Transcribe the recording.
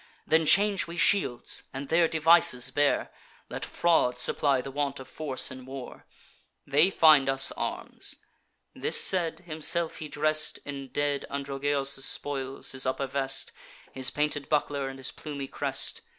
Then change we shields, and their devices bear: Let fraud supply the want of force in war. They find us arms.' This said, himself he dress'd In dead Androgeos' spoils, his upper vest, His painted buckler, and his plumy crest.